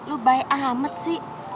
lu baik ahamad sih